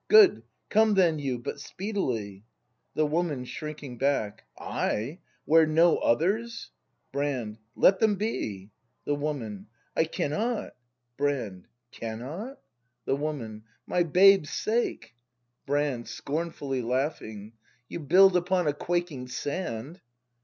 ] Good; come then you; but speedily! The Woman. [Shrinking hack.] I! Where no others ! Brand. Let them be! The Woman. I cannot! Brand. Cannot ? ACT II] BRAND 07 The Woman My babes' sake ! Brand. [Scornfully laughing.] You build upon a quaking sand!